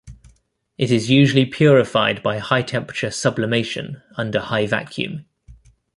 It is usually purified by high temperature sublimation under high vacuum.